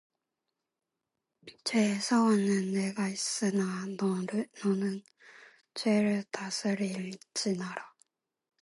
죄의 소원은 네게 있으나 너는 죄를 다스릴찌니라